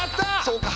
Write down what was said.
そうか。